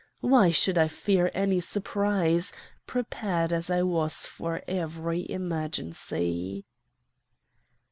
Why should I fear any surprise, prepared as I was for every emergency?